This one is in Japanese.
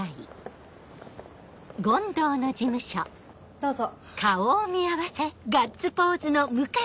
どうぞ。